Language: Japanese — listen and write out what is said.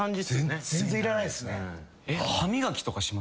全然いらないですね。